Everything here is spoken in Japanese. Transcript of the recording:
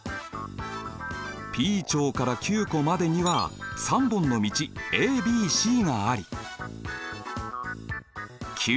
Ｐ町からＱ湖までには３本の道ａｂｃがありＱ